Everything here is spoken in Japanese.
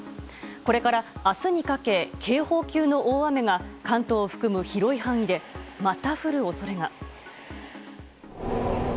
これから明日にかけ警報級の大雨が関東を含む広い範囲でまた降る恐れが。